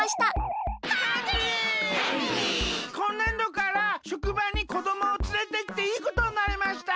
こんねんどからしょくばにこどもをつれてきていいことになりました。